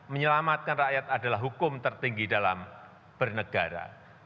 menyelamatkan rakyat adalah hukum tertinggi dalam bernegara